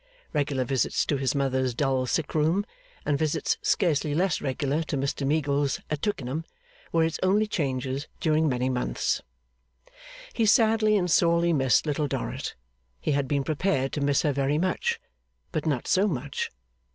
Regular visits to his mother's dull sick room, and visits scarcely less regular to Mr Meagles at Twickenham, were its only changes during many months. He sadly and sorely missed Little Dorrit. He had been prepared to miss her very much, but not so much.